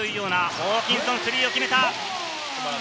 ホーキンソン、スリーを決めた！